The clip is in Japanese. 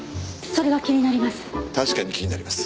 それが気になります。